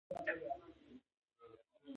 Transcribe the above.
غیبت کول د ټولنې اخلاق خرابوي.